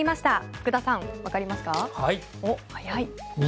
福田さん、わかりますか。